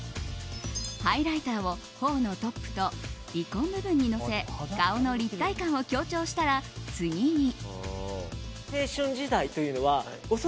ハイライターを頬のトップと鼻根部分にのせ顔の立体感を強調したら次に。